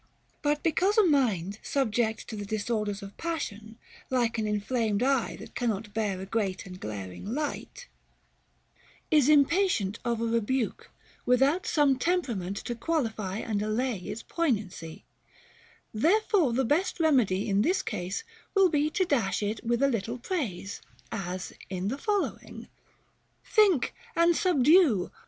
But because a mind subject to the disorders of passion, like an inflamed eye that cannot bear a great and glaring light, is impatient of a rebuke, without some temperament to qualify and allay its poignancy, therefore the best remedy in this case will be to dash it with a little praise, as in the following : Think, and subdue